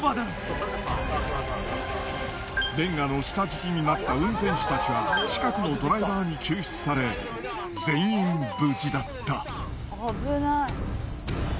レンガの下敷きになった運転手たちは近くのドライバーに救出され全員無事だった。